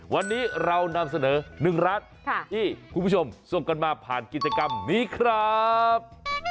วันนี้เรานำเสนอ๑ร้านที่คุณผู้ชมส่งกันมาผ่านกิจกรรมนี้ครับ